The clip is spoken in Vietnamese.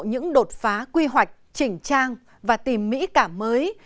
đô thị cũng đột phá quy hoạch chỉnh trang và tìm mỹ cả mới